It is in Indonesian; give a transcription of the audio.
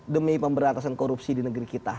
demi pemberantasan korupsi di negeri kita